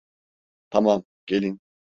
Tamam, gelin.